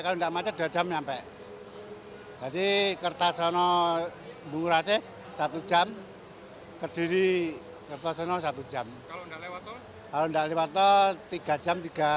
kalau tidak lewat tol tiga jam tiga